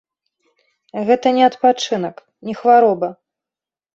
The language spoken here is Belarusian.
Гэта не адпачынак, не хвароба.